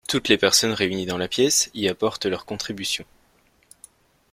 Toutes les personnes réunies dans la pièce y apportent leur contribution.